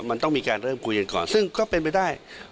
มันต้องมีการเริ่มคุยกันก่อนซึ่งก็เป็นไปได้